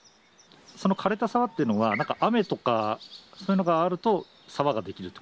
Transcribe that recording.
そのかれた沢っていうのは、雨とかそういうのがあると沢が出来ると？